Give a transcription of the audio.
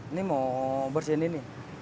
ini mau bersihkan ini